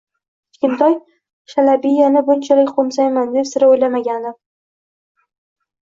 Kichkintoy Shalabiyani bunchalik qo`msayman deb sira o`ylamagandim